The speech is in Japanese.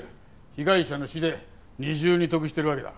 被害者の死で二重に得しているわけだ。